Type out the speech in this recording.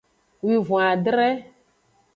Wivon-adre.